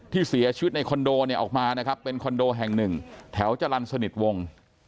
ที่เสียชีวิตในคอนโดเนี่ยออกมานะครับเป็นคอนโดแห่งหนึ่งแถวจรรย์สนิทวง